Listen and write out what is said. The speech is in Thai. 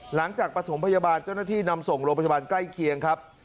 หลังจากประถงพยาบาลเจ้าหน้านาธินำส่งโรงพยาบาลใกล้เคียงครับ